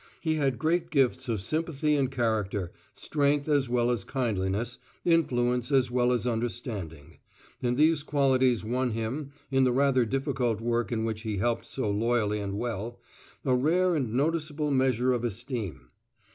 He had great gifts of sympathy and character, strength as well as kindliness, influence as well as understanding; and these qualities won him in the rather difficult work in which he helped so loyally and well a rare and noticeable measure of esteem."